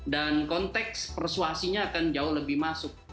dan konteks persuasinya akan jauh lebih masuk